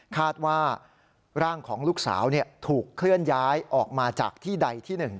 คาดว่าร่างของลูกสาวถูกเคลื่อนย้ายออกมาจากที่ใดที่๑